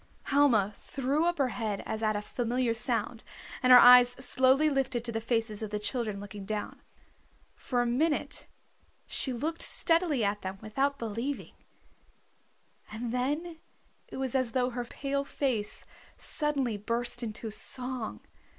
Helma threw up her head as at a familiar sound, and her eyes slowly lifted to the faces of the children looking down. For a minute she looked steadily at them without believing, and then it was as though her pale face suddenly burst into song.